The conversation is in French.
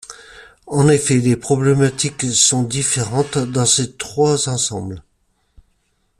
En effet, les problématiques sont différentes dans ces trois ensembles.